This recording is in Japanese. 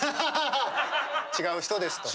「違う人です」と。